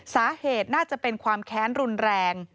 สาเหตุน่าจะเป็นความแค้นรุนแรง